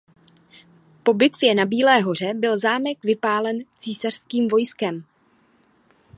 Po bitvě na Bílé hoře byl zámek vypálen císařským vojskem.